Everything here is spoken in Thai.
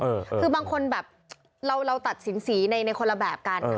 คือบางคนแบบเราตัดสินสีในคนละแบบกัน